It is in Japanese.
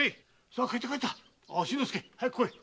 あぁ新之助早く来い！